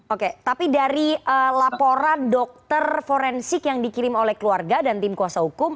oke tapi dari laporan dokter forensik yang dikirim oleh keluarga dan tim kuasa hukum